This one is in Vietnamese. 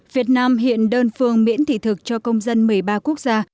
việt nam hiện đơn phương miễn thị thực cho công dân một mươi ba quốc gia